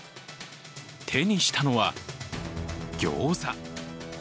手にしたのはギョーザ。